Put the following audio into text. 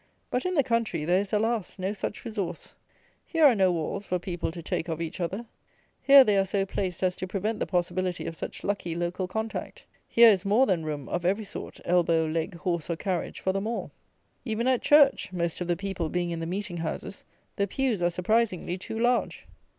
But in the country, there is, alas! no such resource. Here are no walls for people to take of each other. Here they are so placed as to prevent the possibility of such lucky local contact. Here is more than room of every sort, elbow, leg, horse, or carriage, for them all. Even at Church (most of the people being in the meeting houses) the pews are surprisingly too large.